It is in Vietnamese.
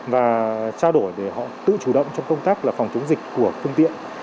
và trao đổi để họ tự chủ động trong công tác là phòng chống dịch của phương tiện